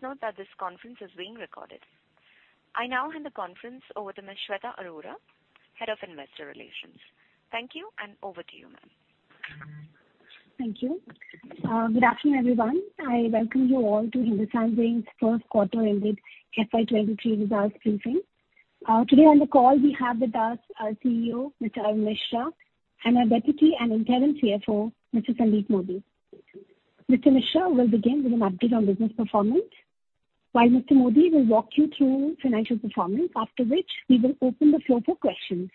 Please note that this conference is being recorded. I now hand the conference over to Ms. Shweta Arora, Head of Investor Relations. Thank you and over to you, ma'am. Thank you. Good afternoon, everyone. I welcome you all to Hindustan Zinc's first quarter ended FY 2023 results briefing. Today on the call we have with us our CEO, Mr. Arun Misra, and our Deputy and Interim CFO, Mr. Sandeep Modi. Mr. Misra will begin with an update on business performance, while Mr. Modi will walk you through financial performance, after which we will open the floor for questions.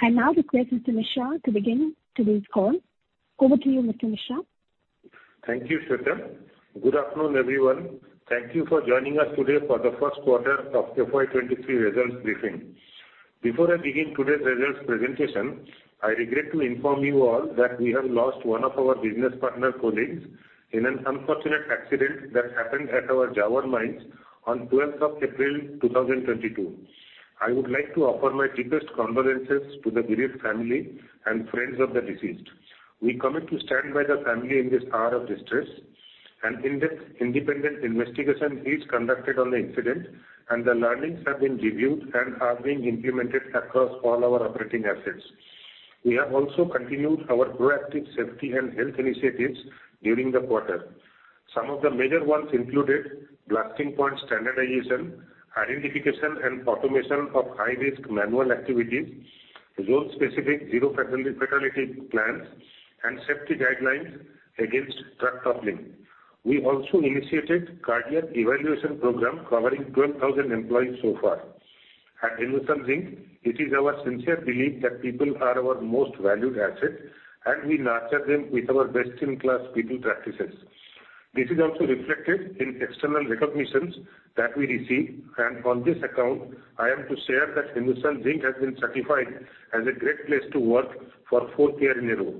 I now request Mr. Misra to begin today's call. Over to you, Mr. Misra. Thank you, Shweta. Good afternoon, everyone. Thank you for joining us today for the first quarter of FY 2023 results briefing. Before I begin today's results presentation, I regret to inform you all that we have lost one of our business partner colleagues in an unfortunate accident that happened at our Zawar mines on 12th of April, 2022. I would like to offer my deepest condolences to the bereaved family and friends of the deceased. We commit to stand by the family in this hour of distress. An in-depth independent investigation is conducted on the incident, and the learnings have been reviewed and are being implemented across all our operating assets. We have also continued our proactive safety and health initiatives during the quarter. Some of the major ones included blasting point standardization, identification and automation of high-risk manual activities, role-specific zero fatality plans, and safety guidelines against truck toppling. We also initiated cardiac evaluation program covering 12,000 employees so far. At Hindustan Zinc, it is our sincere belief that people are our most valued asset, and we nurture them with our best-in-class people practices. This is also reflected in external recognitions that we receive. On this account, I am to share that Hindustan Zinc has been certified as a Great Place to Work for fourth year in a row.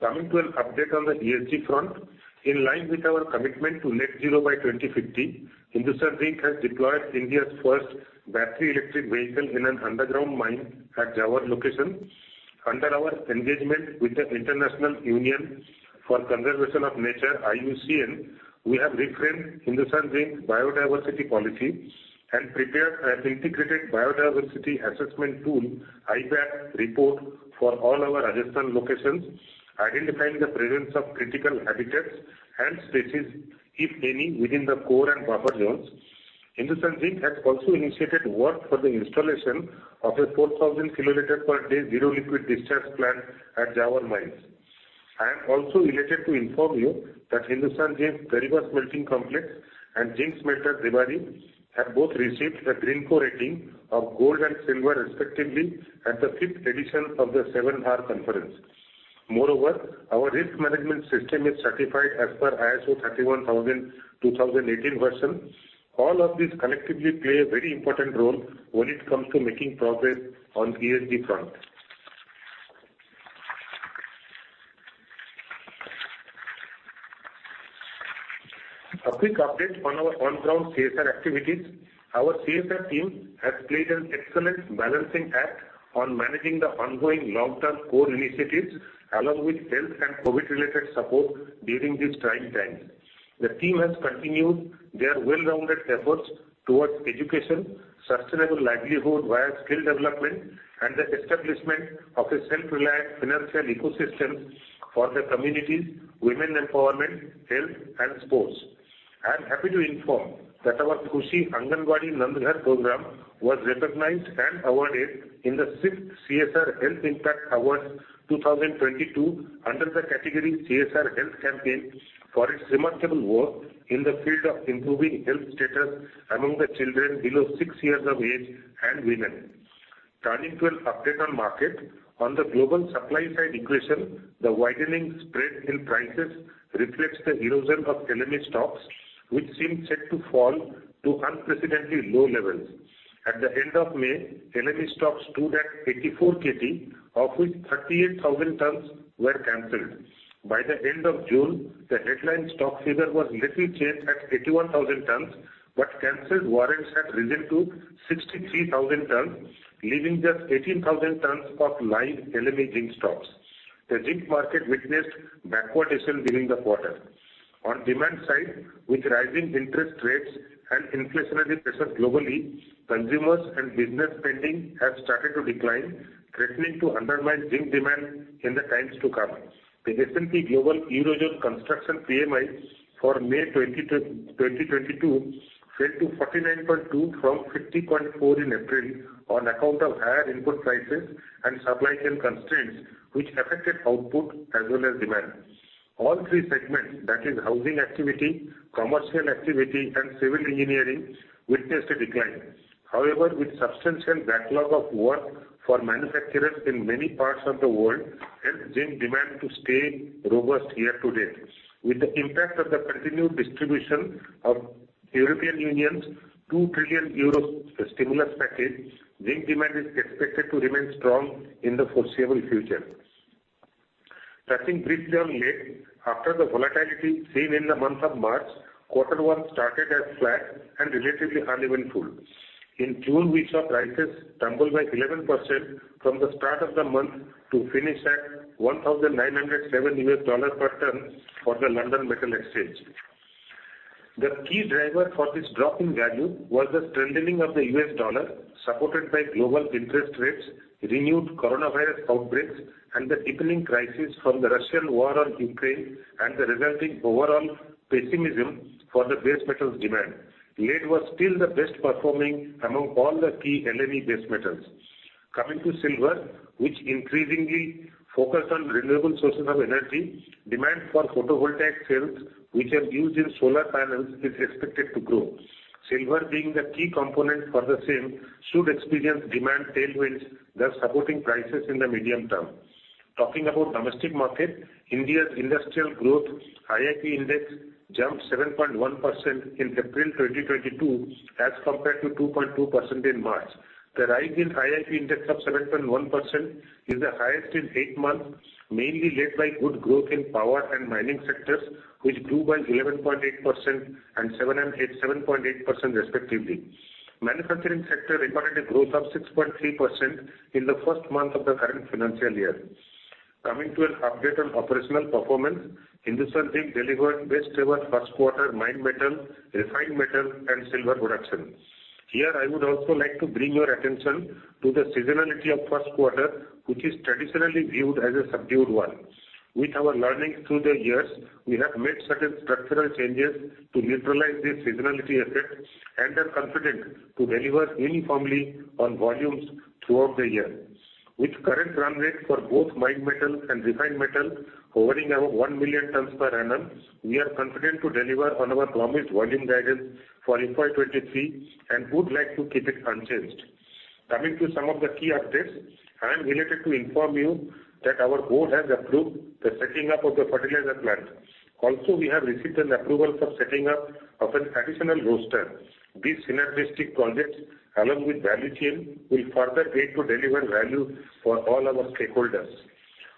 Coming to an update on the ESG front. In line with our commitment to net zero by 2050, Hindustan Zinc has deployed India's first battery electric vehicle in an underground mine at Zawar location. Under our engagement with the International Union for Conservation of Nature, IUCN, we have reframed Hindustan Zinc biodiversity policy and prepared an Integrated Biodiversity Assessment Tool, IBAT, report for all our adjacent locations, identifying the presence of critical habitats and species, if any, within the core and buffer zones. Hindustan Zinc has also initiated work for the installation of a 4,000 kL per day zero liquid discharge plant at Zawar mines. I am also elated to inform you that Hindustan Zinc's Chanderiya Smelting Complex and Zinc Smelter, Debari, have both received a GreenCo rating of Gold and Silver respectively at the 5th Edition of the 7R's Conference. Moreover, our risk management system is certified as per ISO 31000:2018 version. All of these collectively play a very important role when it comes to making progress on ESG front. A quick update on our on-ground CSR activities. Our CSR team has played an excellent balancing act on managing the ongoing long-term core initiatives along with health and COVID-related support during these trying times. The team has continued their well-rounded efforts towards education, sustainable livelihood via skill development, and the establishment of a self-reliant financial ecosystem for the communities, women empowerment, health, and sports. I am happy to inform that our Khushi Anganwadi Nand Ghar program was recognized and awarded in the 6th CSR Health Impact Award 2022 under the category CSR Health Campaign for its remarkable work in the field of improving health status among the children below six years of age and women. Turning to an update on market. On the global supply side equation, the widening spread in prices reflects the erosion of LME stocks, which seem set to fall to unprecedentedly low levels. At the end of May, LME stocks stood at 84 KT, of which 38,000 tons were canceled. By the end of June, the headline stock figure was little changed at 81,000 tons, but canceled warrants had risen to 63,000 tons, leaving just 18,000 tons of live LME zinc stocks. The zinc market witnessed backwardation during the quarter. On demand side, with rising interest rates and inflationary pressures globally, consumers and business spending have started to decline, threatening to undermine zinc demand in the times to come. The S&P Global Eurozone Construction PMI for May 2022 fell to 49.2 from 50.4 in April on account of higher input prices and supply chain constraints, which affected output as well as demand. All three segments, that is housing activity, commercial activity, and civil engineering, witnessed a decline. However, with substantial backlog of work for manufacturers in many parts of the world helped zinc demand to stay robust year-to-date. With the impact of the continued distribution of European Union’s 2 trillion euro stimulus package, zinc demand is expected to remain strong in the foreseeable future. Touching briefly on lead. After the volatility seen in the month of March, quarter one started as flat and relatively uneventful. In June, we saw prices tumble by 11% from the start of the month to finish at $1,907 per ton for the London Metal Exchange. The key driver for this drop in value was the strengthening of the U.S. dollar, supported by global interest rates, renewed coronavirus outbreaks, and the deepening crisis from the Russian war on Ukraine and the resulting overall pessimism for the base metals demand. Lead was still the best performing among all the key LME base metals. Coming to silver, which increasingly focus on renewable sources of energy, demand for photovoltaic cells which are used in solar panels is expected to grow. Silver being the key component for the same should experience demand tailwinds, thus supporting prices in the medium term. Talking about domestic market, India's industrial growth IIP index jumped 7.1% in April 2022, as compared to 2.2% in March. The rise in IIP index of 7.1% is the highest in eight months, mainly led by good growth in power and mining sectors, which grew by 11.8% and 7.8% respectively. Manufacturing sector recorded a growth of 6.3% in the first month of the current financial year. Coming to an update on operational performance, Hindustan Zinc delivered best ever first quarter mined metal, refined metal and silver production. Here, I would also like to bring your attention to the seasonality of first quarter, which is traditionally viewed as a subdued one. With our learnings through the years, we have made certain structural changes to neutralize this seasonality effect and are confident to deliver uniformly on volumes throughout the year. With current run rates for both mined metal and refined metal hovering above 1 million tons per annum, we are confident to deliver on our promised volume guidance for FY 2023 and would like to keep it unchanged. Coming to some of the key updates, I am delighted to inform you that our Board has approved the setting up of the fertilizer plant. Also, we have received an approval for setting up of an additional roaster. These synergistic projects, along with value chain, will further aid to deliver value for all our stakeholders.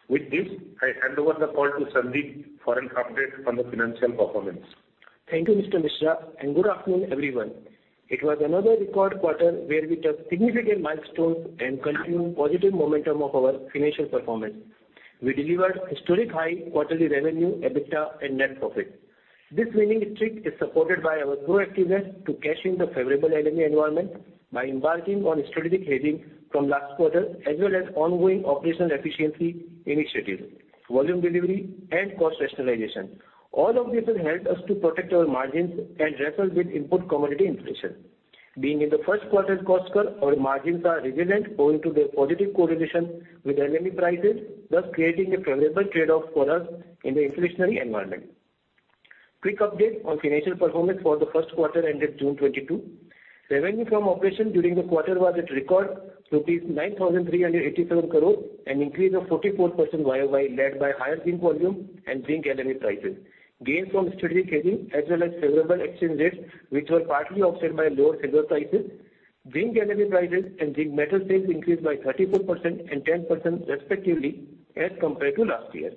With this, I hand over the call to Sandeep for an update on the financial performance. Thank you, Mr. Misra, and good afternoon, everyone. It was another record quarter where we took significant milestones and continued positive momentum of our financial performance. We delivered historic high quarterly revenue, EBITDA and net profit. This winning streak is supported by our proactiveness to cash in the favorable LME environment by embarking on strategic hedging from last quarter as well as ongoing operational efficiency initiatives, volume delivery and cost rationalization. All of this has helped us to protect our margins and wrestle with input commodity inflation. Being in the first quarter cost curve, our margins are resilient owing to their positive correlation with LME prices, thus creating a favorable trade-off for us in the inflationary environment. Quick update on financial performance for the first quarter ended June 2022. Revenue from operations during the quarter was at record rupees 9,387 crore, an increase of 44% YoY, led by higher zinc volume and zinc LME prices. Gains from strategic hedging as well as favorable exchange rates, which were partly offset by lower silver prices. Zinc LME prices and zinc metal sales increased by 34% and 10% respectively as compared to last year.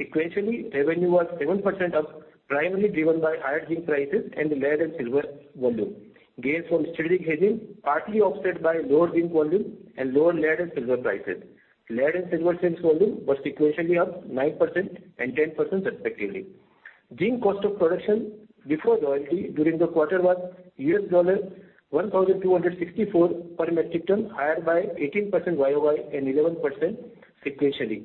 Sequentially, revenue was 7% up, primarily driven by higher zinc prices and lead and silver volume. Gains from strategic hedging partly offset by lower zinc volume and lower lead and silver prices. Lead and silver sales volume was sequentially up 9% and 10% respectively. Zinc cost of production before royalty during the quarter was $1,264 per metric ton, higher by 18% YoY and 11% sequentially.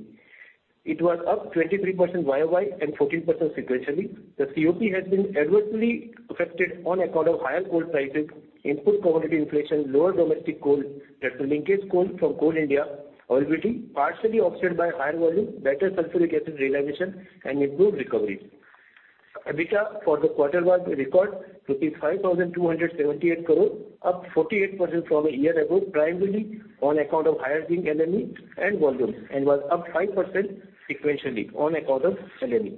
It was up 23% YoY and 14% sequentially. The COP has been adversely affected on account of higher coal prices, input commodity inflation, lower domestic coal, that's linkage coal from Coal India availability, partially offset by higher volume, better sulfuric acid realization and improved recovery. EBITDA for the quarter was a record 5,278 crore, up 48% from a year ago, primarily on account of higher zinc LME and volume and was up 5% sequentially on account of LME,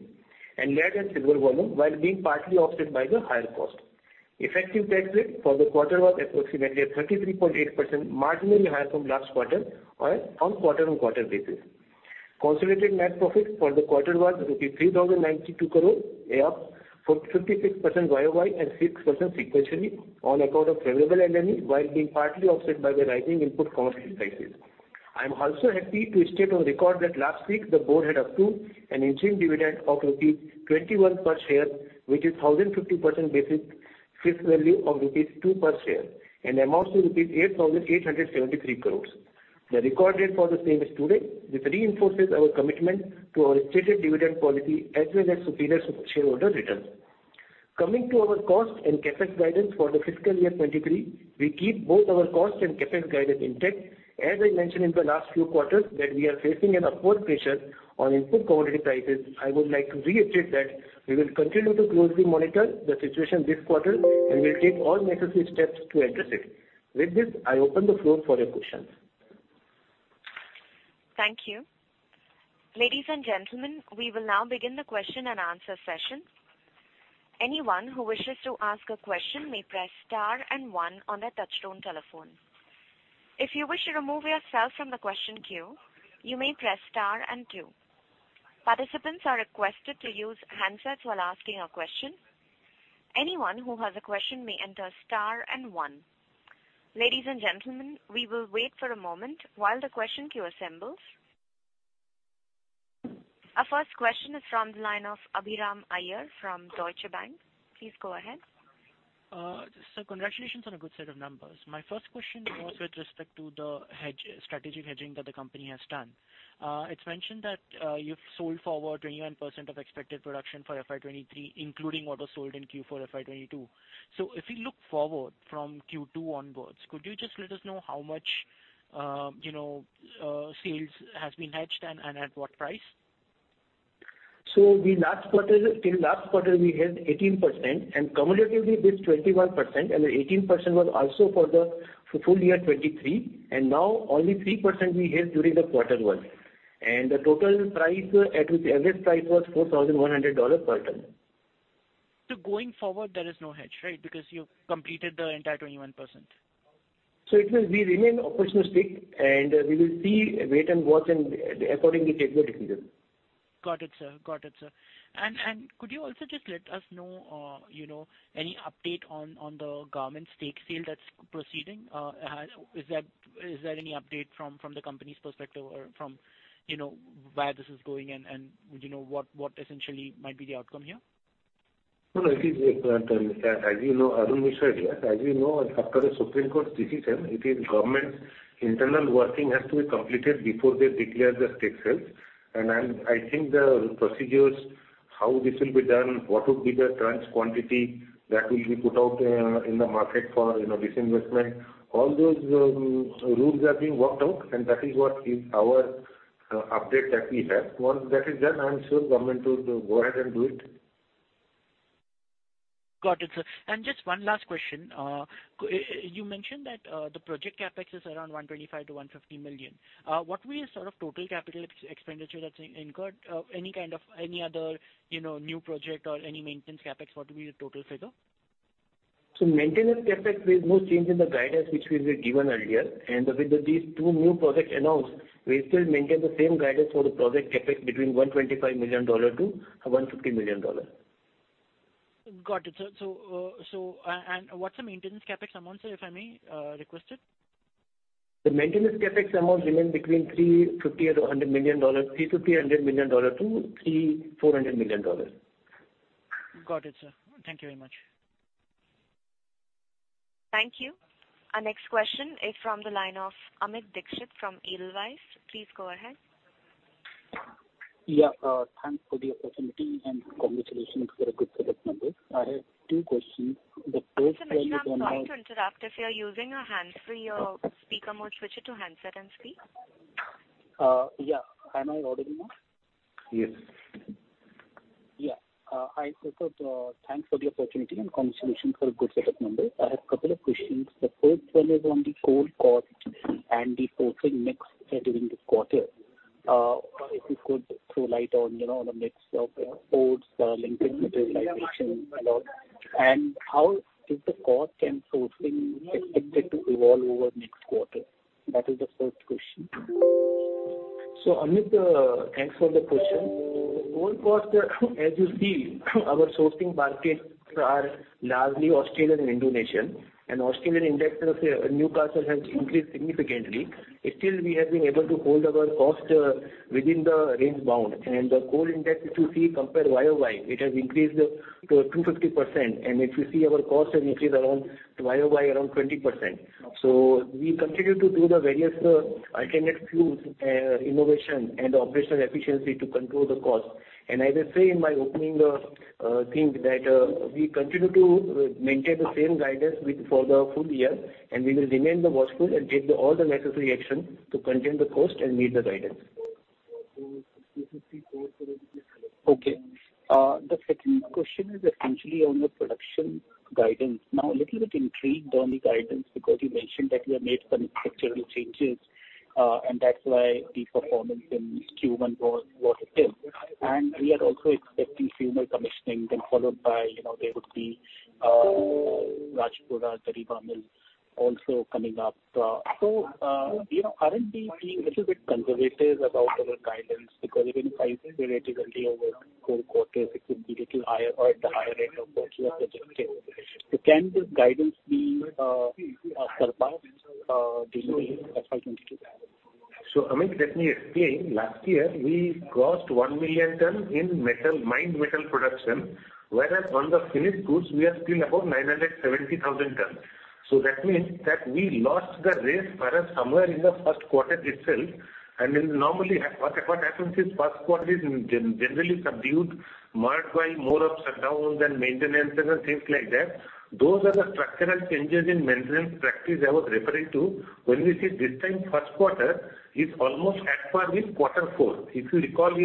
lead and silver volume, while being partly offset by the higher cost. Effective tax rate for the quarter was approximately 33.8%, marginally higher from last quarter on a quarter-on-quarter basis. Consolidated net profit for the quarter was rupees 3,092 crore, up 56% YoY and 6% sequentially on account of favorable LME, while being partly offset by the rising input commodity prices. I am also happy to state on record that last week the Board had approved an interim dividend of rupees 21 per share, which is 1,050% basic face value of rupees 2 per share, and amounts to rupees 8,873 crore. The record date for the same is today. This reinforces our commitment to our stated dividend policy as well as superior shareholder returns. Coming to our cost and CapEx guidance for the fiscal year 2023, we keep both our cost and CapEx guidance intact. As I mentioned in the last few quarters, that we are facing an upward pressure on input commodity prices. I would like to reiterate that we will continue to closely monitor the situation this quarter, and we'll take all necessary steps to address it. With this, I open the floor for your questions. Thank you. Ladies and gentlemen, we will now begin the question and answer session. Anyone who wishes to ask a question may press star and one on their touch-tone telephone. If you wish to remove yourself from the question queue, you may press star and two. Participants are requested to use handsets while asking a question. Anyone who has a question may enter star and one. Ladies and gentlemen, we will wait for a moment while the question queue assembles. Our first question is from the line of Abhiram Iyer from Deutsche Bank. Please go ahead. Congratulations on a good set of numbers. My first question was with respect to the hedge, strategic hedging that the company has done. It's mentioned that you've sold forward 21% of expected production for FY 2023, including what was sold in Q4 FY 2022. If we look forward from Q2 onwards, could you just let us know how much, you know, sales has been hedged and at what price? The last quarter, in last quarter we hedged 18% and cumulatively hedged 21%, and the 18% was also for the full year 2023. Now only 3% we hedged during the quarter one. The total price at which average price was $4,100 per ton. Going forward, there is no hedge, right? Because you've completed the entire 21%. We remain opportunistic and we will see, wait and watch and accordingly take the decision. Got it, sir. Could you also just let us know any update on the government stake sale that's proceeding? Is there any update from the company's perspective or from where this is going, and would you know what essentially might be the outcome here? No, it is, as you know, Arun Misra here. As you know, after the Supreme Court's decision, it is government's internal working has to be completed before they declare the stake sale. I think the procedures, how this will be done, what would be the tranche quantity that will be put out, in the market for, you know, disinvestment. All those, rules are being worked out, and that is what is our, update that we have. Once that is done, I am sure government will go ahead and do it. Got it, sir. Just one last question. You mentioned that the project CapEx is around $125 million-$150 million. What will be your sort of total capital expenditure that's incurred? Any kind of, any other, you know, new project or any maintenance CapEx, what will be the total figure? Maintenance CapEx, there is no change in the guidance which we've given earlier. With these two new projects announced, we still maintain the same guidance for the project CapEx between $125 million-$150 million. Got it, sir. What's the maintenance CapEx amount, sir, if I may request it? The maintenance CapEx amount remains between $350-$400 million. Got it, sir. Thank you very much. Thank you. Our next question is from the line of Amit Dixit from Edelweiss. Please go ahead. Yeah, thanks for the opportunity and congratulations for a good set of numbers. I have two questions. The first one is on the Mr. Dixit, I'm sorry to interrupt. If you're using a hands-free or speaker mode, switch it to handset and speak. Yeah. Am I audible now? Yes. Yeah, I said thanks for the opportunity and congratulations for a good set of numbers. I have a couple of questions. The first one is on the coal cost and the sourcing mix during this quarter. If you could throw light on, you know, the mix of exports, linkages, materalization load, and how is the cost and sourcing expected to evolve over next quarter? That is the first question. Amit, thanks for the question. The coal cost, as you see, our sourcing markets are largely Australian and Indonesian. Australian index of Newcastle has increased significantly. Still, we have been able to hold our cost within the range bound. The coal index, if you see compare YoY, it has increased to 250%. If you see our cost has increased around YoY 20%. We continue to do the various alternate fuels, innovation and operational efficiency to control the cost. I will say in my opening thing that we continue to maintain the same guidance for the full year, and we will remain watchful and take all the necessary action to contain the cost and meet the guidance. Okay. The second question is essentially on the production guidance. Now a little bit intrigued on the guidance because you mentioned that you have made some structural changes, and that's why the performance in Q1 was what it is. We are also expecting few more commissioning then followed by, you know, there would be Rajpura Dariba mill also coming up. You know, aren't we being a little bit conservative about our guidance? Because even if I see relatively over core quarters, it could be little higher or at the higher end of what you have projected. Can this guidance be surpassed during FY 2022? Amit, let me explain. Last year we crossed 1 million ton in metal, mined metal production, whereas on the finished goods we are still above 970,000 tons. That means that we lost the race perhaps somewhere in the first quarter itself. Normally what happens is first quarter is generally subdued, marred by more ups and downs and maintenances and things like that. Those are the structural changes in maintenance practice I was referring to. When we see this time, first quarter is almost at par with quarter four. If you recall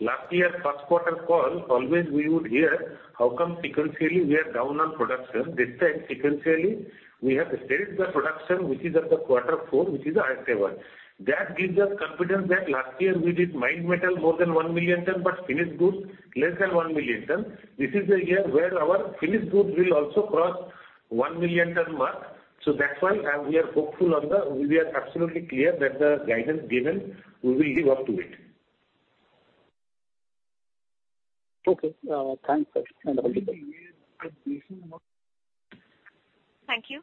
your last year first quarter call, always we would hear how come sequentially we are down on production. This time sequentially we have sustained the production which is at the quarter four, which is the highest ever. That gives us confidence that last year we did mine mined metal more than 1 million ton, but finished goods less than 1 million ton. This is a year where our finished goods will also cross 1 million ton mark. That's why we are hopeful. We are absolutely clear that the guidance given, we will live up to it. Okay. Thanks, sir. Have a good day. Thank you.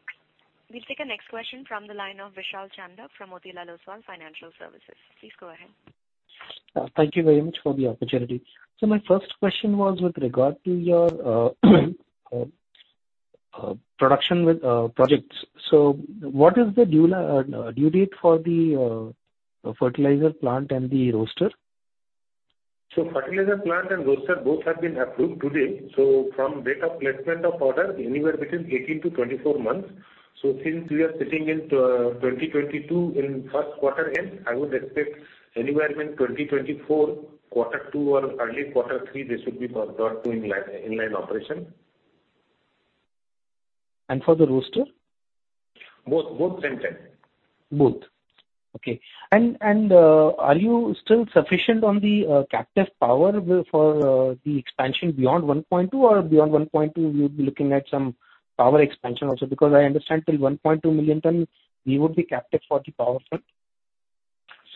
We'll take our next question from the line of Vishal Chandak from Motilal Oswal Financial Services. Please go ahead. Thank you very much for the opportunity. My first question was with regard to your production with projects. What is the due date for the fertilizer plant and the roaster? Fertilizer plant and roaster both have been approved today. From date of placement of order, anywhere between 18-24 months. Since we are sitting in 2022 in first quarter end, I would expect anywhere between 2024 quarter two or early quarter three, they should be brought to in line operation. For the roaster? Both same time. Both. Okay. Are you still sufficient on the captive power for the expansion beyond 1.2 million tons? Or beyond 1.2 million tons you'll be looking at some power expansion also? Because I understand till 1.2 million tons you would be captive for the power front.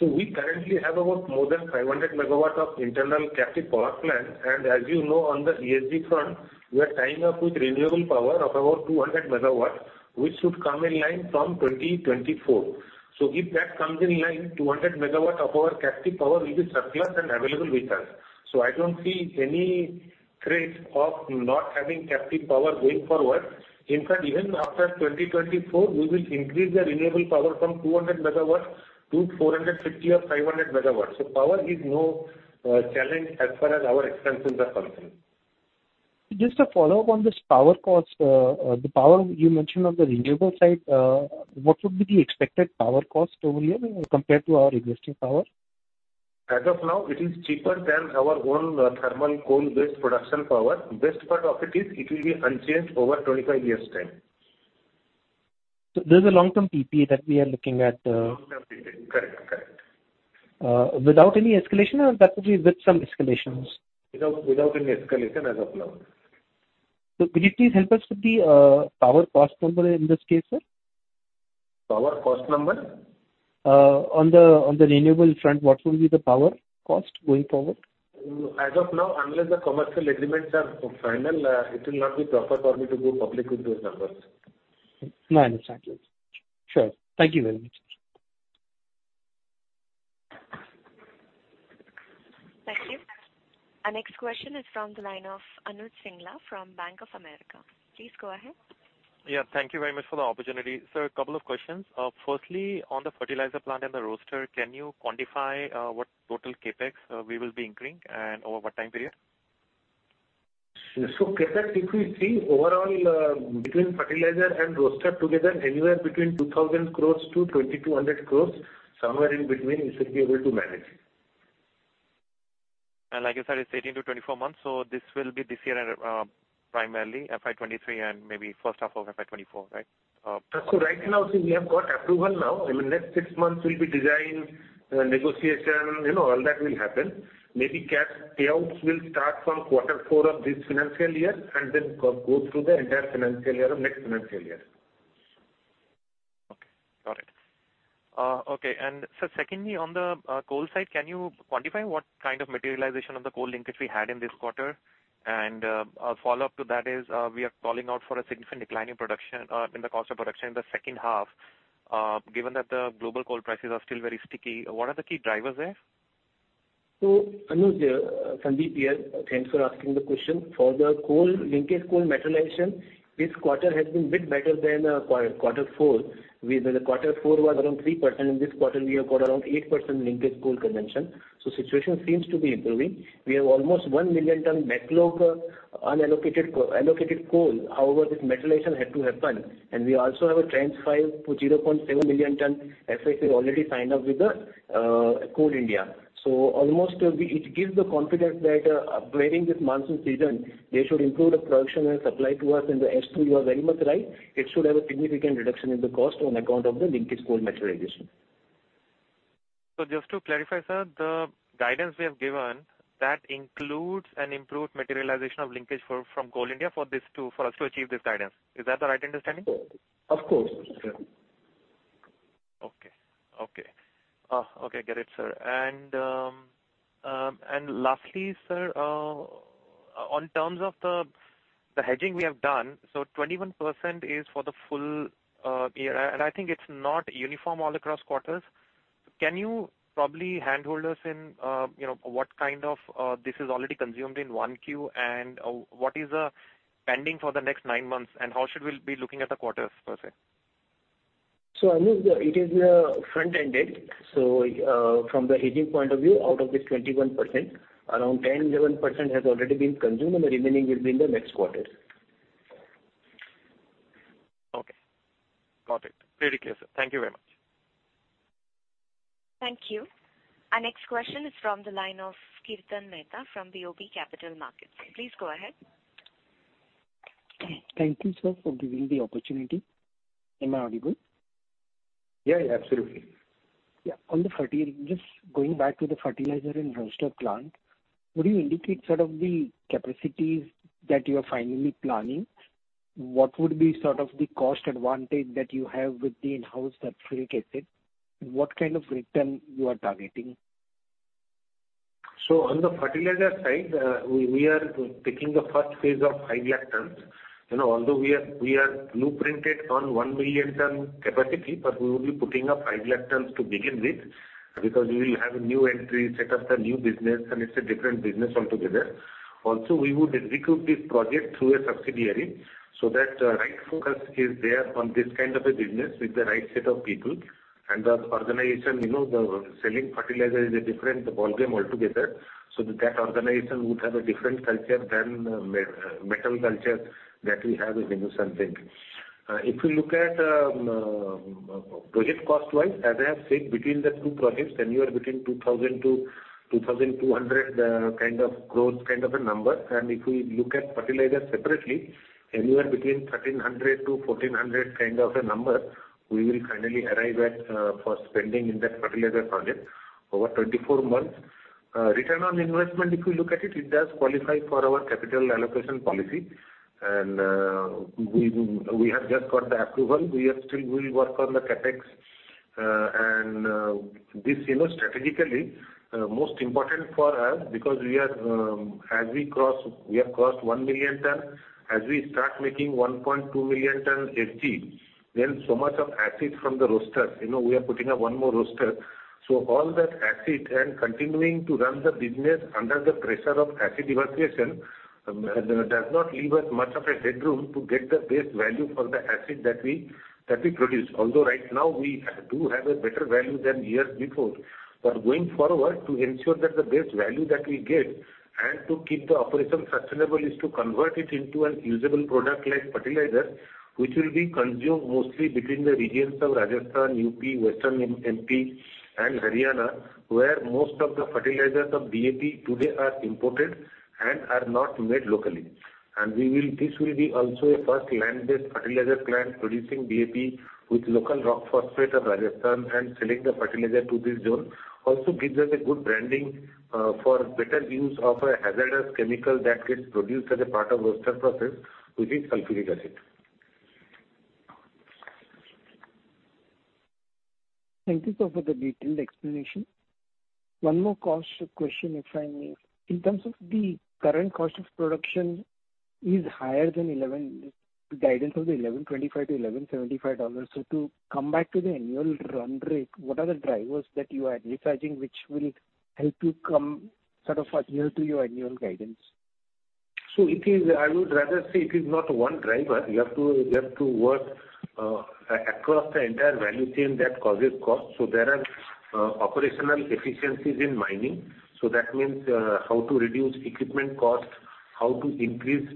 We currently have about more than 500 MW of internal captive power plant. As you know, on the ESG front, we are tying up with renewable power of about 200 MW, which should come online from 2024. If that comes online, 200 MW of our captive power will be surplus and available with us. I don't see any threat of not having captive power going forward. In fact, even after 2024, we will increase the renewable power from 200 MW to 450 or 500 MW. Power is no challenge as far as our expansions are concerned. Just a follow-up on this power cost. The power you mentioned on the renewable side, what would be the expected power cost over here compared to our existing power? As of now, it is cheaper than our own thermal coal-based production power. Best part of it is it will be unchanged over 25 years' time. This is a long-term PPA that we are looking at. Long-term PPA. Correct. Without any escalation or that will be with some escalations? Without any escalation as of now. Could you please help us with the power cost number in this case, sir? Power cost number? On the renewable front, what will be the power cost going forward? As of now, unless the commercial agreements are final, it will not be proper for me to go public with those numbers. No, I understand. Sure. Thank you very much. Thank you. Our next question is from the line of Anuj Singla from Bank of America. Please go ahead. Yeah. Thank you very much for the opportunity. Sir, a couple of questions. Firstly, on the fertilizer plant and the roaster, can you quantify what total CapEx we will be incurring and over what time period? CapEx, if we see overall, between fertilizer and roaster together, anywhere between 2,000 crores-2,200 crores, somewhere in between we should be able to manage. Like you said, it's 18-24 months, so this will be this year and primarily FY 2023 and maybe first half of FY 2024, right? Right now, see, we have got approval now. In the next six months will be design, negotiation. You know, all that will happen. Maybe cash payouts will start from quarter four of this financial year and then go through the entire financial year of next financial year. Okay. Got it. Sir, secondly, on the coal side, can you quantify what kind of materialization of the coal linkage we had in this quarter? A follow-up to that is, we are calling out for a significant decline in production, in the cost of production in the second half. Given that the global coal prices are still very sticky, what are the key drivers there? Anuj, Sandeep here. Thanks for asking the question. For the coal linkage, coal materialization, this quarter has been bit better than quarter four. With the quarter four was around 3%. In this quarter we have got around 8% linkage coal consumption. Situation seems to be improving. We have almost 1 million ton backlog, unallocated co-allocated coal. However, this materialization had to happen. We also have a tranche file for 0.7 million ton FAC already signed up with the Coal India. It gives the confidence that during this monsoon season, they should improve the production and supply to us. As you too are very much right, it should have a significant reduction in the cost on account of the linkage coal materialization. Just to clarify, sir, the guidance we have given, that includes an improved materialization of linkage from Coal India for us to achieve this guidance. Is that the right understanding? Of course. Of course. Sure. Got it, sir. Lastly, sir, in terms of the hedging we have done, 21% is for the full year, and I think it's not uniform all across quarters. Can you handhold us in, you know, what kind of this is already consumed in 1Q and what is pending for the next nine months, and how should we be looking at the quarters per se? Anuj, it is front-ended. From the hedging point of view, out of this 21%, around 10%-11% has already been consumed and the remaining will be in the next quarter. Okay. Got it. Very clear, sir. Thank you very much. Thank you. Our next question is from the line of Kirtan Mehta from BOB Capital Markets. Please go ahead. Thank you, sir, for giving the opportunity. Am I audible? Yeah, yeah, absolutely. Yeah. Just going back to the fertilizer and roaster plant, would you indicate sort of the capacities that you are finally planning? What would be sort of the cost advantage that you have with the in-house sulfuric acid? What kind of return you are targeting? On the fertilizer side, we are taking the first phase of 5 lakh tons. You know, although we are blueprinted on 1 million ton capacity, we will be putting up 5 lakh tons to begin with because we will have a new entry, set up the new business, and it's a different business altogether. Also, we would execute this project through a subsidiary so that right focus is there on this kind of a business with the right set of people. The organization, you know, the selling fertilizer is a different ballgame altogether, so that organization would have a different culture than metal culture that we have in Hindustan Zinc. If you look at project cost-wise, as I have said, between the two projects, anywhere between 2,000 crore-2,200 crore kind of a number. If we look at fertilizer separately, anywhere between 1,300 crore-1,400 crore kind of a number we will finally arrive at for spending in that fertilizer project over 24 months. Return on investment, if you look at it does qualify for our capital allocation policy. We have just got the approval. We will work on the CapEx. This, you know, strategically, most important for us because we have crossed 1 million ton. As we start making 1.2 million tons FG, then so much of acid from the roasters, you know, we are putting up one more roaster. So all that acid and continuing to run the business under the pressure of acid evacuation does not leave us much of a headroom to get the best value for the acid that we produce. Although right now we do have a better value than years before. Going forward, to ensure that the best value that we get and to keep the operation sustainable is to convert it into a usable product like fertilizer, which will be consumed mostly between the regions of Rajasthan, UP, Western MP, and Haryana, where most of the fertilizers of DAP today are imported and are not made locally. This will be also a first land-based fertilizer plant producing DAP with local rock phosphate of Rajasthan and selling the fertilizer to this zone. Also gives us a good branding for better use of a hazardous chemical that gets produced as a part of roaster process, which is sulfuric acid. Thank you, sir, for the detailed explanation. One more cost question, if I may. In terms of the current cost of production is higher than the $1,125-$1,175 guidance. To come back to the annual run rate, what are the drivers that you are identifying which will help you come sort of adhere to your annual guidance? I would rather say it is not one driver. You have to work across the entire value chain that causes cost. There are operational efficiencies in mining. That means how to reduce equipment costs, how to increase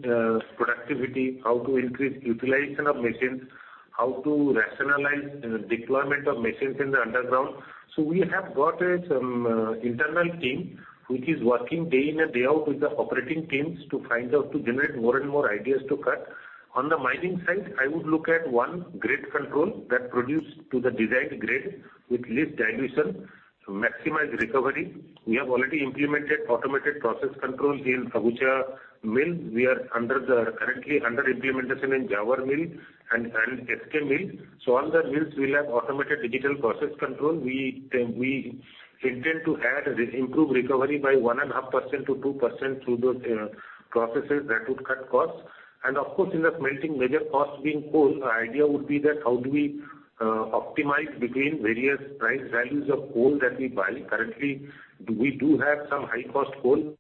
productivity, how to increase utilization of machines, how to rationalize deployment of machines in the underground. We have got some internal team which is working day in and day out with the operating teams to find out to generate more and more ideas to cut. On the mining side, I would look at one grade control that produce to the desired grade with least dilution to maximize recovery. We have already implemented automated process controls in Agucha Mill. We are currently under implementation in Zawar Mill and SK Mine. All the mills will have automated digital process control. We intend to add and improve recovery by 1.5%-2% through those processes that would cut costs. Of course, in the smelting major cost being coal, our idea would be that how do we optimize between various price values of coal that we buy. Currently, we do have some high-cost coal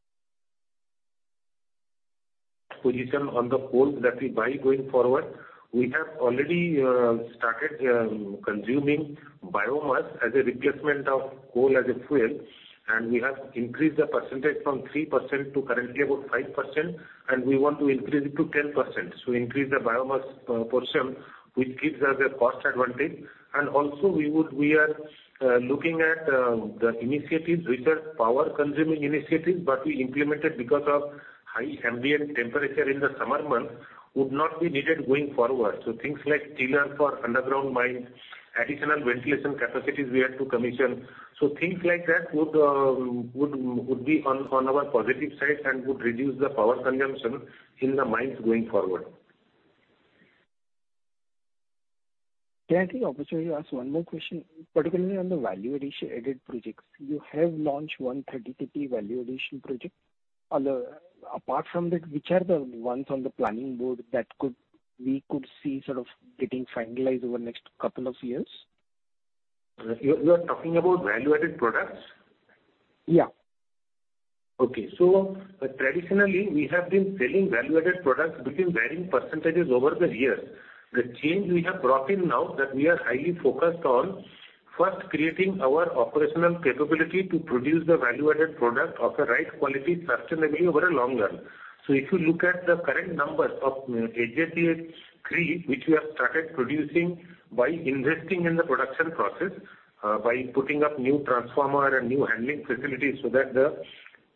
position on the coal that we buy going forward. We have already started consuming biomass as a replacement of coal as a fuel, and we have increased the percentage from 3% to currently about 5%, and we want to increase it to 10%. Increase the biomass portion, which gives us a cost advantage. We are looking at the initiatives which are power consuming initiatives, but we implemented because of high ambient temperature in the summer months would not be needed going forward. Things like chiller for underground mines, additional ventilation capacities we have to commission. Things like that would be on our positive side and would reduce the power consumption in the mines going forward. Can I take the opportunity to ask one more question, particularly on the value addition added projects? You have launched one 30 KT value addition project. Apart from that, which are the ones on the planning board that we could see sort of getting finalized over the next couple of years? You're talking about value-added products? Yeah. Okay. Traditionally, we have been selling value-added products between varying percentages over the years. The change we have brought in now that we are highly focused on first creating our operational capability to produce the value-added product of the right quality sustainably over a long run. If you look at the current numbers of HZDA 3, which we have started producing by investing in the production process, by putting up new transformer and new handling facilities so that the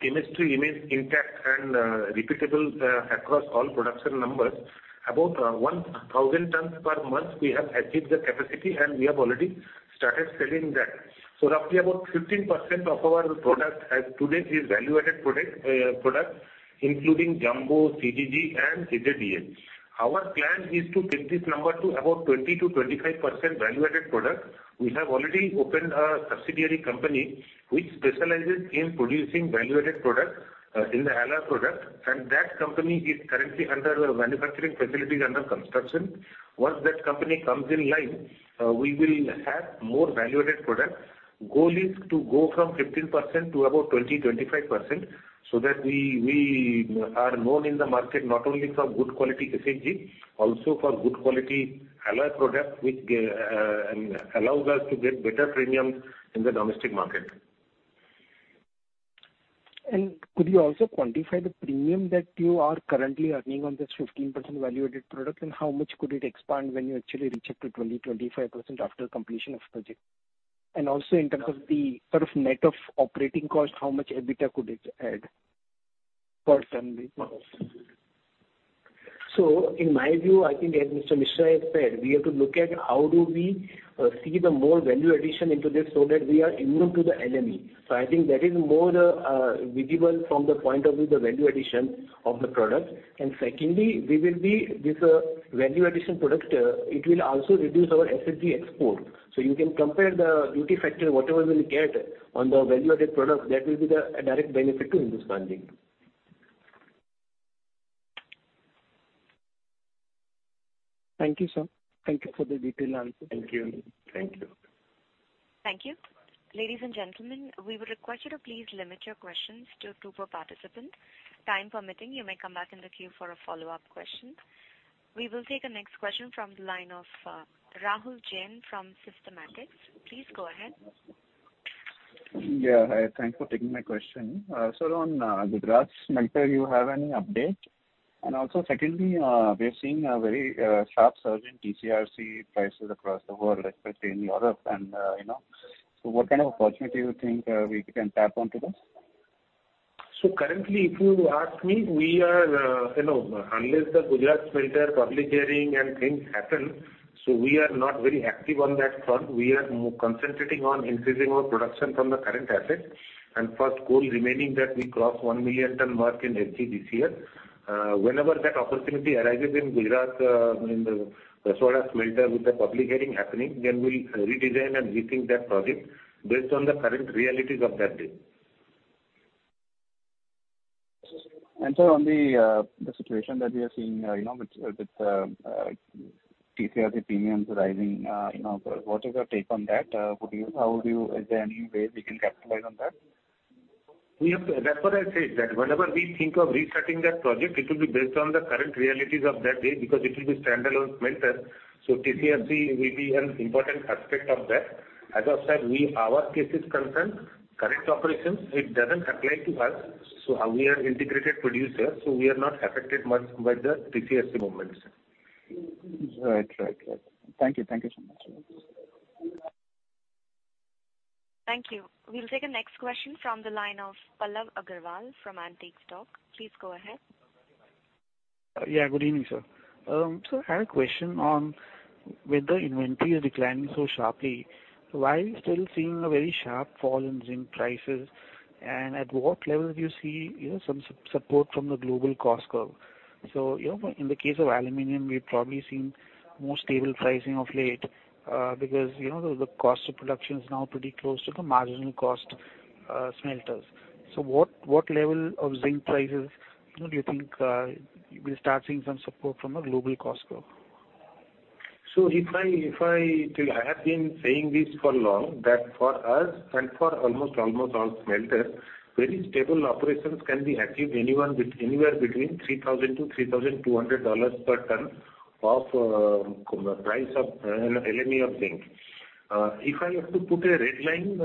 chemistry remains intact and, repeatable, across all production numbers. About, 1,000 tons per month we have achieved the capacity and we have already started selling that. Roughly about 15% of our product as of today is value-added product, including Jumbo, CCG, and HZDA. Our plan is to take this number to about 20%-25% value-added product. We have already opened a subsidiary company which specializes in producing value-added product, in the alloy product, and that company is currently under a manufacturing facility under construction. Once that company comes in line, we will have more value-added product. Goal is to go from 15% to about 20-25%, so that we are known in the market not only for good quality SHG, also for good quality alloy product which allows us to get better premiums in the domestic market. Could you also quantify the premium that you are currently earning on this 15% value-added product, and how much could it expand when you actually reach it to 20%-25% after completion of project? Also in terms of the sort of net of operating cost, how much EBITDA could it add per ton? In my view, I think as Mr. Misra has said, we have to look at how do we see the more value addition into this so that we are immune to the LME. I think that is more visible from the point of view the value addition of the product. Secondly, we will be this value addition product, it will also reduce our SHG export. You can compare the duty factor, whatever we'll get on the value-added product, that will be a direct benefit to Hindustan Zinc. Thank you, sir. Thank you for the detailed answer. Thank you. Thank you. Thank you. Ladies and gentlemen, we would request you to please limit your questions to two per participant. Time permitting, you may come back in the queue for a follow-up question. We will take the next question from the line of Rahul Jain from Systematix. Please go ahead. Yeah. Hi, thanks for taking my question. On Gujarat's smelter, you have any update? Also, secondly, we are seeing a very sharp surge in TCRC prices across the world, especially in Europe and you know. What kind of opportunity you think we can tap into this? Currently, if you ask me, we are, unless the Gujarat smelter public hearing and things happen, so we are not very active on that front. We are more concentrating on increasing our production from the current assets. First goal remaining that we cross 1 million ton mark in SHG this year. Whenever that opportunity arises in Gujarat, in the Rasoda smelter with the public hearing happening, then we'll redesign and rethink that project based on the current realities of that day. Sir, on the situation that we are seeing, you know, with TCRC premiums rising, you know, what is your take on that? Is there any way we can capitalize on that? That's what I said, that whenever we think of restarting that project, it will be based on the current realities of that day because it will be standalone smelter, so TCRC will be an important aspect of that. As I said, as far as our case is concerned, current operations, it doesn't apply to us. We are integrated producer, so we are not affected much by the TCRC movements. Right. Thank you so much. Thank you. We'll take the next question from the line of Pallav Agarwal from Antique Stock. Please go ahead. Yeah, good evening, sir. I had a question on with the inventory declining so sharply, why are you still seeing a very sharp fall in zinc prices? And at what level do you see, you know, some support from the global cost curve? You know, in the case of aluminium, we've probably seen more stable pricing of late, because, you know, the cost of production is now pretty close to the marginal cost, smelters. What level of zinc prices, you know, do you think, we'll start seeing some support from a global cost curve? I have been saying this for long that for us and for almost all smelters, very stable operations can be achieved anywhere between $3,000-$3,200 per ton of price of LME of zinc. If I have to put a red line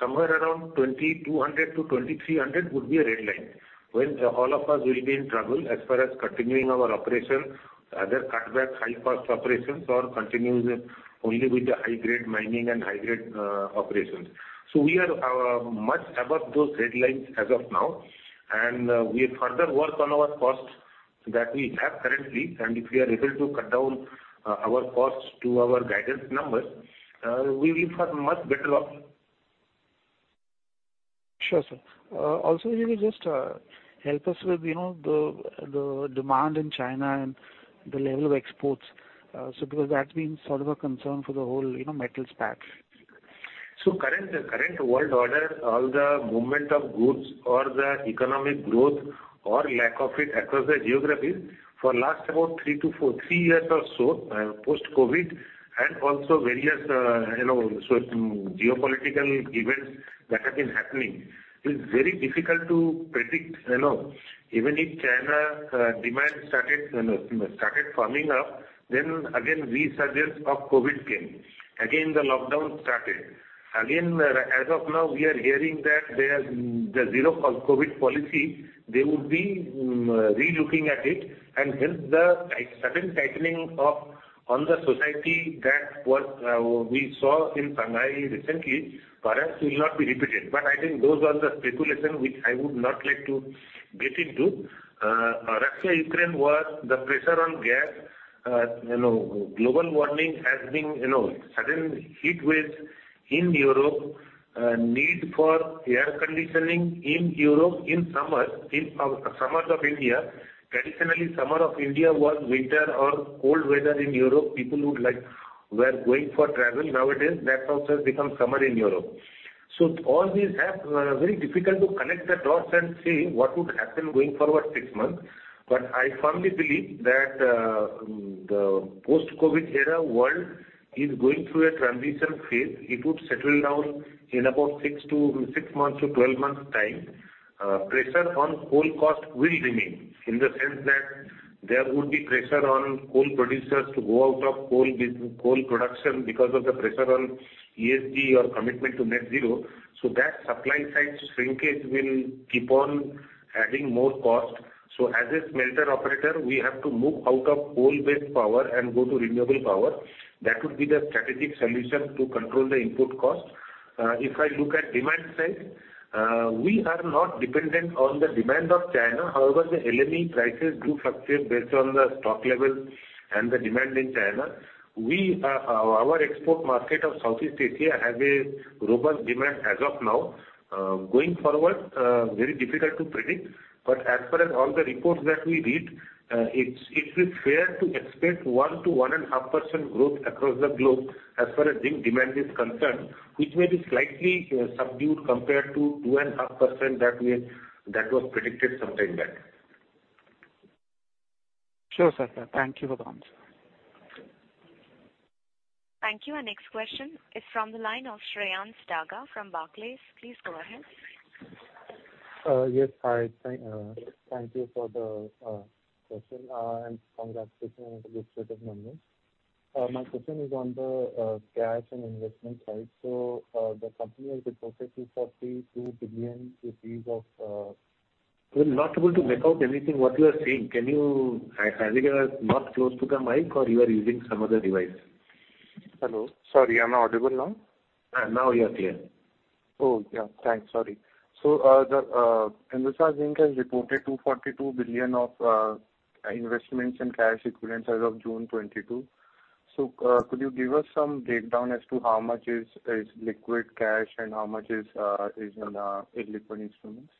somewhere around $2,200-$2,300 would be a red line. When all of us will be in trouble as far as continuing our operation, either cut back high cost operations or continue with only the high-grade mining and high-grade operations. We are much above those red lines as of now, and we further work on our costs that we have currently, and if we are able to cut down our costs to our guidance numbers, we'll be far much better off. Sure, sir. Also if you could just help us with, you know, the demand in China and the level of exports. Because that's been sort of a concern for the whole, you know, metals pack. Current world order, all the movement of goods or the economic growth or lack of it across the geographies for last about three to four years or so, post-COVID and also various, you know, geopolitical events that have been happening, it's very difficult to predict, you know. Even if China demand started firming up, then again, resurgence of COVID came. Again, the lockdown started. Again, as of now, we are hearing that their, the zero COVID policy, they would be relooking at it and hence the sudden tightening on the society that was we saw in Shanghai recently, perhaps will not be repeated. I think those are the speculation which I would not like to get into. Russia-Ukraine war, the pressure on gas, you know, global warming has been, you know, sudden heatwaves in Europe, need for air conditioning in Europe in summer. In summers of India. Traditionally, summer of India was winter or cold weather in Europe, people were going for travel. Nowadays, that's also become summer in Europe. All these have very difficult to connect the dots and see what would happen going forward six months. I firmly believe that the post-COVID era world is going through a transition phase. It would settle down in about six months to 12 months time. Pressure on coal cost will remain, in the sense that there would be pressure on coal producers to go out of coal production because of the pressure on ESG or commitment to net zero. That supply side shrinkage will keep on adding more cost. As a smelter operator, we have to move out of coal-based power and go to renewable power. That would be the strategic solution to control the input cost. If I look at demand side, we are not dependent on the demand of China. However, the LME prices do fluctuate based on the stock level and the demand in China. Our, our export market of Southeast Asia has a robust demand as of now. Going forward, very difficult to predict. As per all the reports that we read, it's fair to expect 1%-1.5% growth across the globe as far as zinc demand is concerned, which may be slightly subdued compared to 2.5% that was predicted sometime back. Sure, sir. Thank you for the answer. Thank you. Our next question is from the line of Shreyans Daga from Barclays. Please go ahead. Yes. Hi. Thank you for the question. Congratulations on the good set of numbers. My question is on the cash and investment side. The company has reported 242 billion rupees of. We're not able to make out anything what you are saying. I think you are not close to the mic or you are using some other device. Hello. Sorry. Am I audible now? Now yes. Oh, yeah. Thanks. Sorry. The Hindustan Zinc has reported 242 billion of investments in cash equivalents as of June 2022. Could you give us some breakdown as to how much is liquid cash and how much is in illiquid instruments?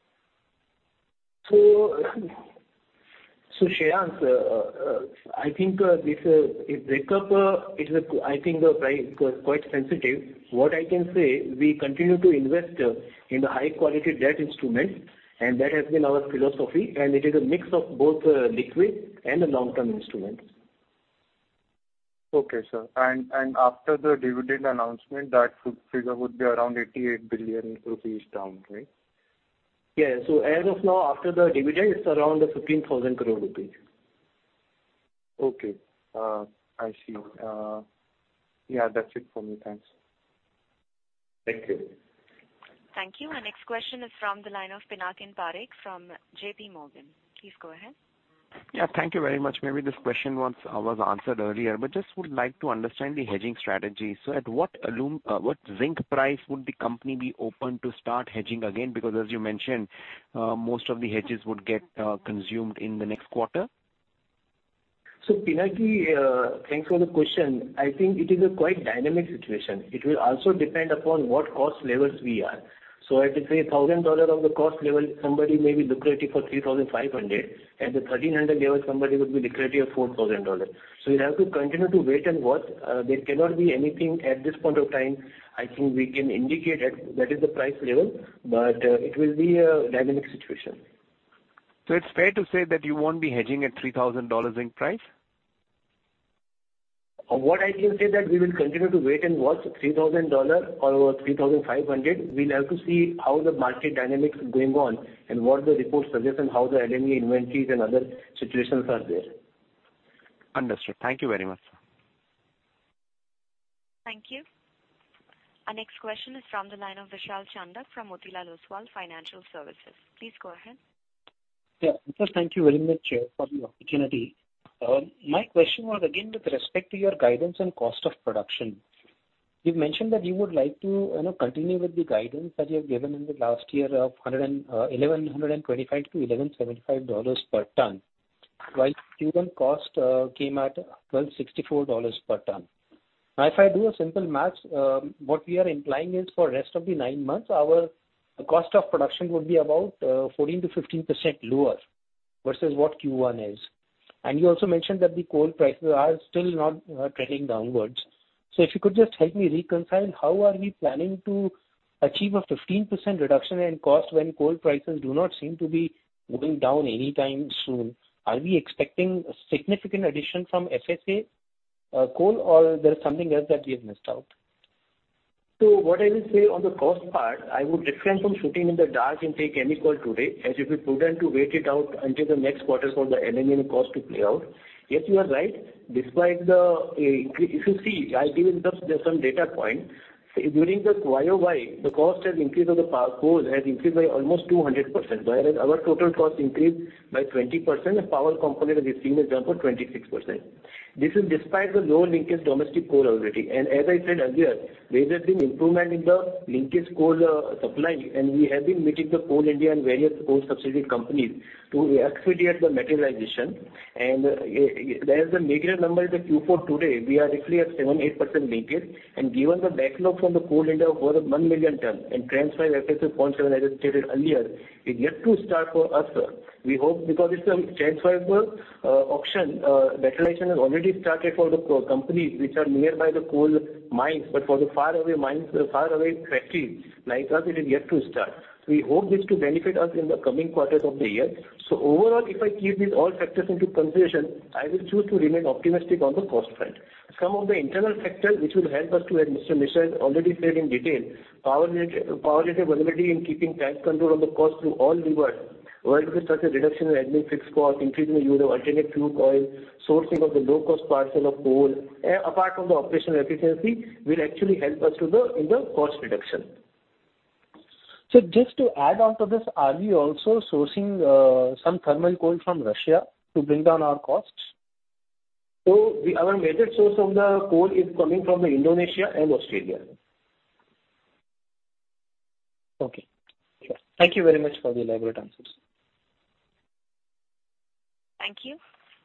Shreyans, I think this is breakup. It's, I think, quite sensitive. What I can say, we continue to invest in the high quality debt instruments, and that has been our philosophy, and it is a mix of both, liquid and the long-term instruments. Okay, sir. After the dividend announcement, that figure would be around 88 billion rupees down, right? Yes. As of now, after the dividend, it's around 15,000 crore rupees. Okay. I see. Yeah, that's it for me. Thanks. Thank you. Thank you. Our next question is from the line of Pinakin Parekh from JPMorgan. Please go ahead. Yeah, thank you very much. Maybe this question was answered earlier, but just would like to understand the hedging strategy. At what zinc price would the company be open to start hedging again? Because as you mentioned, most of the hedges would get consumed in the next quarter. Pinakin, thanks for the question. I think it is a quite dynamic situation. It will also depend upon what cost levels we are. At a say $1,000 cost level, somebody may be lucrative for $3,500, at the $1,300 level somebody would be lucrative $4,000. We'll have to continue to wait and watch. There cannot be anything at this point of time I think we can indicate. That is the price level, but it will be a dynamic situation. It's fair to say that you won't be hedging at $3,000 zinc price? What I can say that we will continue to wait and watch $3,000 or $3,500. We'll have to see how the market dynamics is going on and what the reports suggest and how the LME inventories and other situations are there. Understood. Thank you very much. Thank you. Our next question is from the line of Vishal Chandak from Motilal Oswal Financial Services. Please go ahead. Yeah. First, thank you very much for the opportunity. My question was again with respect to your guidance and cost of production. You've mentioned that you would like to continue with the guidance that you have given in the last year of $1,125-$1,175 per ton, while Q1 cost came at $1,264 per ton. Now, if I do a simple math, what we are implying is for rest of the nine months, our cost of production would be about 14%-15% lower versus what Q1 is. You also mentioned that the coal prices are still not trending downwards. If you could just help me reconcile how are we planning to achieve a 15% reduction in cost when coal prices do not seem to be moving down anytime soon? Are we expecting a significant addition from FSA coal or there is something else that we have missed out? What I will say on the cost part, I would refrain from shooting in the dark and take any call today as we prefer to wait it out until the next quarter for the LME cost to play out. Yes, you are right. Despite the increase. If you see, I've given you some data point. During the YoY, the cost has increased on the power and coal by almost 200%. Whereas our total cost increased by 20%, the power component as you've seen has gone up 26%. This is despite the low linkage domestic coal availability. As I said earlier, there has been improvement in the linkage coal supply, and we have been meeting Coal India and various coal subsidiary companies to expedite the materialization. There's the negative number in Q4. Today, we are roughly at 7%-8% linkage. Given the backlog from Coal India over 1 million tons and tranche FSA 0.7, as I stated earlier, is yet to start for us. We hope, because it's a tranche auction, realization has already started for the companies which are near the coal mines, but for the faraway mines, faraway factories like us, it is yet to start. We hope this to benefit us in the coming quarters of the year. Overall, if I keep these all factors into consideration, I will choose to remain optimistic on the cost front. Some of the internal factors which will help us too, Mr. Misra has already said in detail. Power net availability, keeping tight control on the cost through all levers, whether it is through the reduction in admin fixed cost, increasing the use of alternative fuel oil, sourcing of the low-cost parcel of coal, apart from the operational efficiency, will actually help us in the cost reduction. Sir, just to add on to this, are we also sourcing some thermal coal from Russia to bring down our costs? Our major source of the coal is coming from Indonesia and Australia. Okay. Sure. Thank you very much for the elaborate answers. Thank you.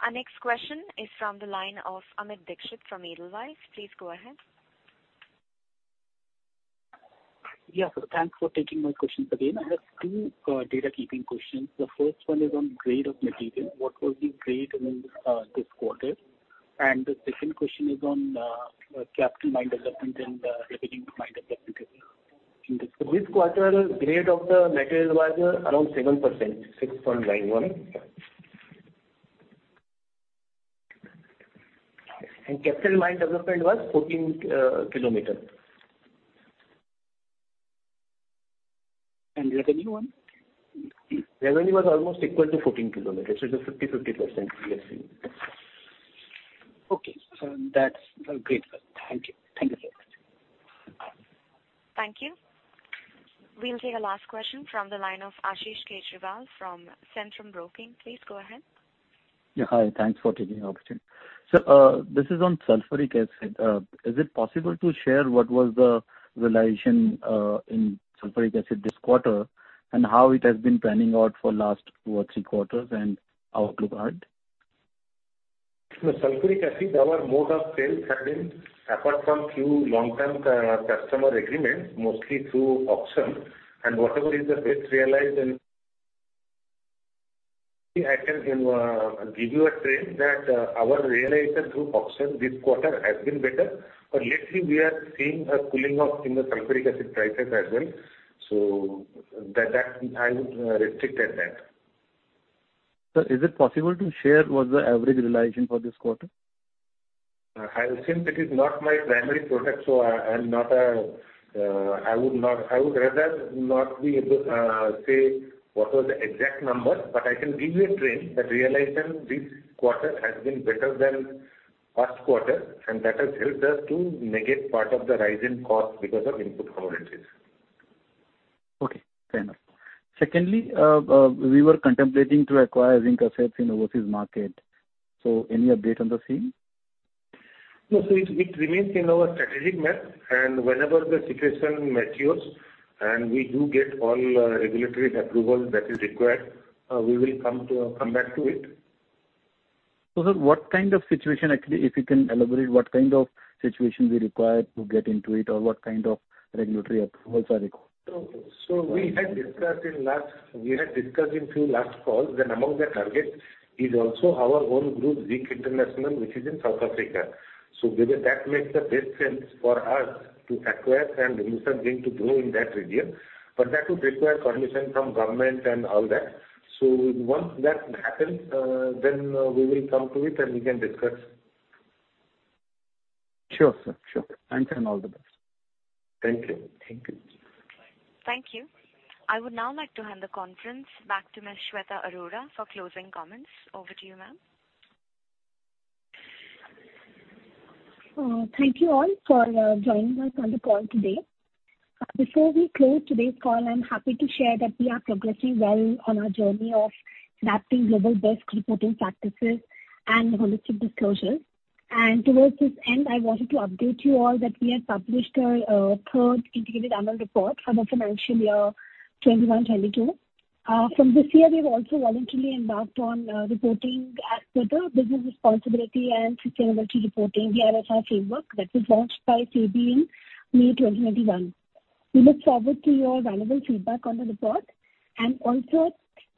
Our next question is from the line of Amit Dixit from Edelweiss. Please go ahead. Yeah. Thanks for taking my questions again. I have two data keeping questions. The first one is on grade of material. What was the grade in this quarter? The second question is on capital mine development and the revenue mine development in this quarter. This quarter grade of the material was around 7%, 6.91%. Capital mine development was 14 km. Revenue was? Revenue was almost equal to 14,000 crore, so the 50/50% we are seeing. Okay, sir. That's great. Thank you. Thank you so much. Thank you. We'll take a last question from the line of Ashish Kejriwal from Centrum Broking. Please go ahead. Yeah. Hi. Thanks for taking the opportunity. Sir, this is on sulfuric acid. Is it possible to share what was the realization in sulfuric acid this quarter, and how it has been panning out for last two or three quarters and outlook ahead? The sulfuric acid, our mode of sales have been apart from few long-term customer agreements, mostly through auction, and whatever is the best realized. I can give you a trend that our realization through auction this quarter has been better. Lately we are seeing a cooling off in the sulfuric acid prices as well. That I would restrict at that. Sir, is it possible to share what's the average realization for this quarter? Since it is not my primary product, I would rather not be able to say what was the exact number, but I can give you a trend that realization this quarter has been better than last quarter, and that has helped us to negate part of the rise in cost because of input power increases. Okay, fair enough. Secondly, we were contemplating to acquire zinc assets in overseas market, so any update on the same? No. It remains in our strategic map, and whenever the situation matures and we do get all regulatory approvals that is required, we will come back to it. Sir, what kind of situation actually, if you can elaborate, what kind of situation we require to get into it or what kind of regulatory approvals are required? We had discussed in few last calls that among the targets is also our own group, Zinc International, which is in South Africa. Maybe that makes the best sense for us to acquire and use our zinc to grow in that region. That would require permission from government and all that. Once that happens, then we will come to it and we can discuss. Sure, sir. Sure. Thanks and all the best. Thank you. Thank you. Thank you. I would now like to hand the conference back to Ms. Shweta Arora for closing comments. Over to you, ma'am. Thank you all for joining us on the call today. Before we close today's call, I'm happy to share that we are progressing well on our journey of adapting global best reporting practices and holistic disclosures. Towards this end, I wanted to update you all that we have published our third integrated annual report for the financial year 2021-2022. From this year, we've also voluntarily embarked on reporting as per the Business Responsibility and Sustainability Reporting, the BRSR framework that was launched by SEBI in May 2021. We look forward to your valuable feedback on the report.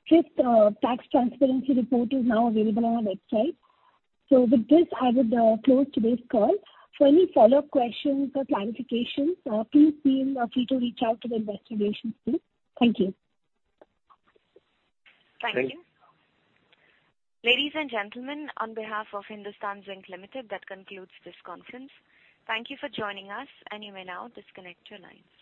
Fifth tax transparency report is now available on our website. With this, I would close today's call. For any follow-up questions or clarifications, please feel free to reach out to the investor relations team. Thank you. Thank you. Ladies and gentlemen, on behalf of Hindustan Zinc Limited, that concludes this conference. Thank you for joining us. You may now disconnect your line.